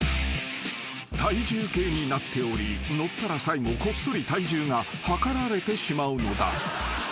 ［体重計になっており乗ったら最後こっそり体重が量られてしまうのだ］